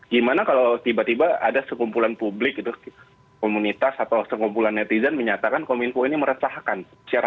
gimana kalau tiba tiba ada sekumpulan publik itu komunitas atau sekumpulan netizen menyatakan kominfo ini meresahkan